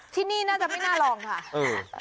ที่นี่น่าจะไม่น่าลองค่ะ